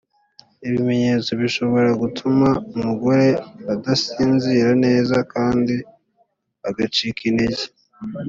ibimenyetso bishobora gutuma umugore adasinzira neza kandi agacika intege.